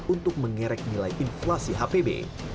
untuk mengerek nilai inflasi hpb